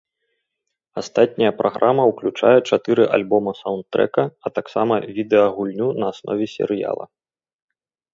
Астатняя праграма ўключае чатыры альбома-саўндтрэка, а таксама відэагульню на аснове серыяла.